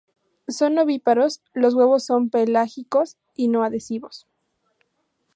Son ovíparos, los huevos son pelágicos y no adhesivos.